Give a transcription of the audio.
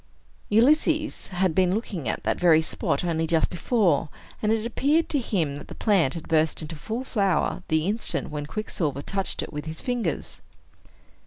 Ulysses had been looking at that very spot only just before; and it appeared to him that the plant had burst into full flower the instant when Quicksilver touched it with his fingers.